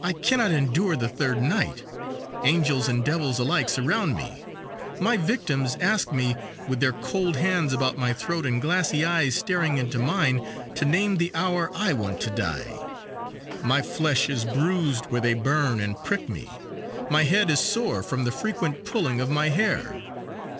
"I cannot endure the third night. Angels and devils alike surround me. My victims ask me, with their cold hands about my throat and glassy eyes staring into mine, to name the hour I want to die. My flesh is bruised where they burn and prick me. My head is sore from the frequent pulling of my hair.